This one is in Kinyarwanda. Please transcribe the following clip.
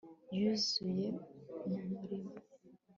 yuzuye mu muriro